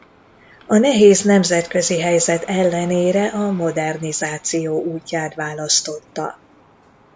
A nehéz nemzetközi helyzet ellenére a modernizáció útját választotta.